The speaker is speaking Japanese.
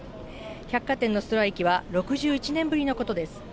百貨店のストライキは６１年ぶりのことです。